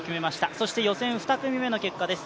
そして予選２組目の結果です。